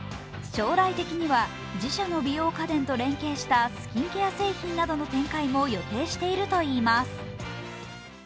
将来的には自社の美容家電と連携したスキンケア商品などの展開も予定しているといいます。